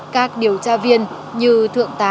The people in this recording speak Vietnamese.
các điều tra viên như thượng tá